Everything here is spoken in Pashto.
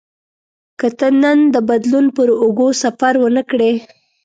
که ته نن د بدلون پر اوږو سفر ونه کړې.